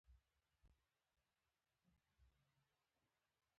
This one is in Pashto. پر بنسټ یې طبیعي پوهنې نویو موندنو ته ورسیږي.